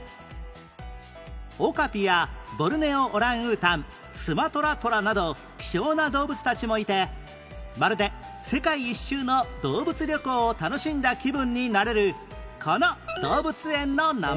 オカピやボルネオオランウータンスマトラトラなど希少な動物たちもいてまるで世界一周の動物旅行を楽しんだ気分になれるこの動物園の名前は？